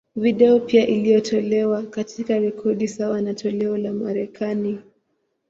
Video pia iliyotolewa, katika rekodi sawa na toleo la Marekani.